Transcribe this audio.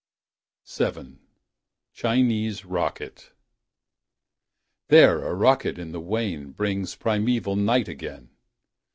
VII. Chinese Rocket There, a rocket in the Wain Brings primeval night again.